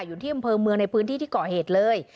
อยู่ที่อำเภอเมืองในพื้นที่ที่ก่อเหตุเลย